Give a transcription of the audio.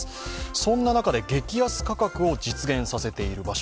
そんな中で激安価格を実現させている場所。